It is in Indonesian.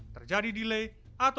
terjadi delay atau kematian